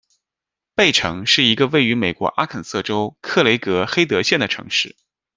贝城是一个位于美国阿肯色州克雷格黑德县的城市。